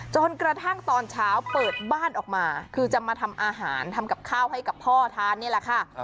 จนกระทั่งตอนเช้าเปิดบ้านออกมาคือจะมาทำอาหารทำกับข้าวให้กับพ่อทานนี่แหละค่ะ